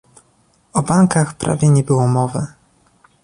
O bankach prawie nie było mowy